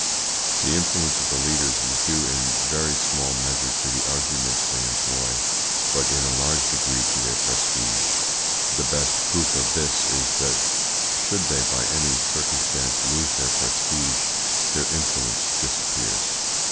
The influence of the leaders is due in very small measure to the arguments they employ, but in a large degree to their prestige. The best proof of this is that, should they by any circumstance lose their prestige, their influence disappears.